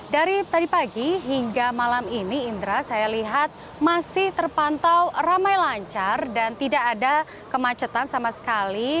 dari tadi pagi hingga malam ini indra saya lihat masih terpantau ramai lancar dan tidak ada kemacetan sama sekali